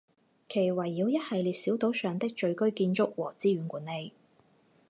其围绕一系列小岛上的聚居建筑和资源管理。